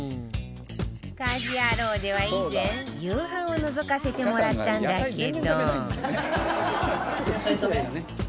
『家事ヤロウ！！！』では以前夕飯をのぞかせてもらったんだけど